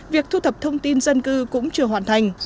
việc thu thập thông tin dân cư cũng chưa hoàn thành